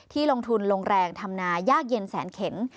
ลงทุนลงแรงทำนายยากเย็นแสนเข็น